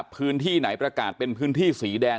พื้นที่ไหนประกาศเป็นพื้นที่สีแดง